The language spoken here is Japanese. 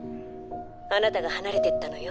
あなたが離れていったのよ。